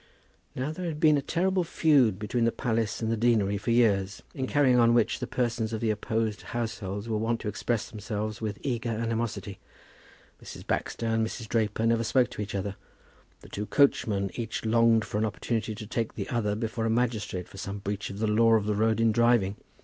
Now there had been a terrible feud between the palace and the deanery for years, in carrying on which the persons of the opposed households were wont to express themselves with eager animosity. Mrs. Baxter and Mrs. Draper never spoke to each other. The two coachmen each longed for an opportunity to take the other before a magistrate for some breach of the law of the road in driving.